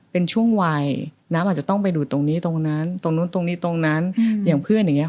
เป็นช่วงวัยน้ำอาจจะต้องไปดูดตรงนี้ตรงนั้นตรงนู้นตรงนี้ตรงนั้นอย่างเพื่อนอย่างเงี้